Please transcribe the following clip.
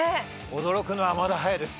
驚くのはまだ早いです。